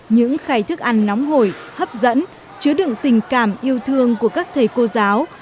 những khày thức ăn nóng hổi hấp dẫn chứa đựng tình cảm yêu thương của các thầy cô giáo